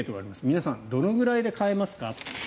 皆さんどのぐらいで替えますか？